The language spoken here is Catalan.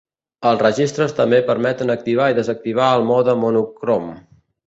Els registres també permeten activar i desactivar el mode monocrom.